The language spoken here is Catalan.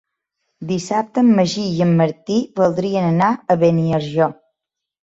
Dissabte en Magí i en Martí voldrien anar a Beniarjó.